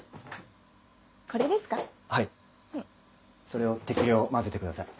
それを適量混ぜてください。